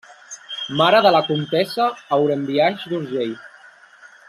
Mare de la comtessa Aurembiaix d'Urgell.